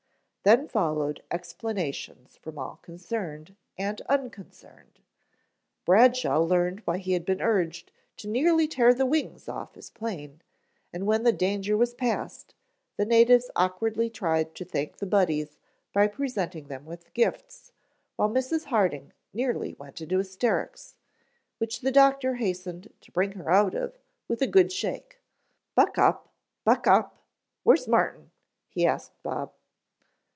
Then followed explanations from all concerned and unconcerned; Bradshaw learned why he had been urged to nearly tear the wings off his plane, and when the danger was past, the natives awkwardly tried to thank the Buddies by presenting them with gifts, while Mrs. Harding nearly went into hysterics, which the doctor hastened to bring her out of with a good shake. "Buck up, buck up. Where's Martin?" he asked Bob.